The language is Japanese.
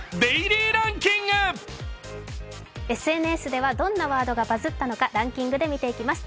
ＳＮＳではどんなワードがバズったのかランキングて見ていきます。